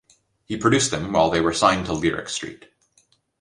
He produced them while they were signed to Lyric Street.